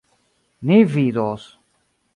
Ni vidos.